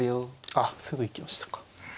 あっすぐ行きましたか。